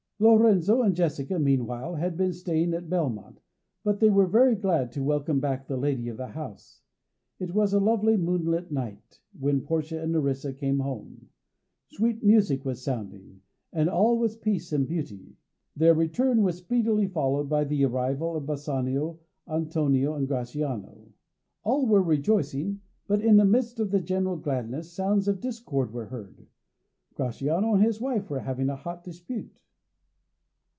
Lorenzo and Jessica, meanwhile, had been staying at Belmont, but they were very glad to welcome back the lady of the house. It was a lovely moonlight night when Portia and Nerissa came home. Sweet music was sounding, and all was peace and beauty. Their return was speedily followed by the arrival of Bassanio, Antonio, and Gratiano. All was rejoicing, but in the midst of the general gladness sounds of discord were heard. Gratiano and his wife were having a hot dispute.